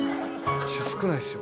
めっちゃ少ないですよ。